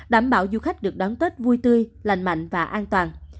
đảm bảo du khách được đón tết vui tươi lành mạnh và an toàn